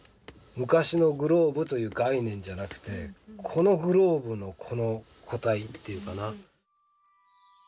昔のグローブという概念じゃなくてこのグローブのこの個体っていうかな。